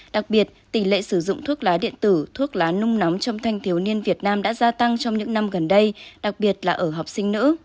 đặc biệt tỷ lệ sử dụng thuốc lá điện tử thuốc lá nung nóng trong thanh thiếu niên việt nam đã gia tăng trong những năm gần đây đặc biệt là ở học sinh nữ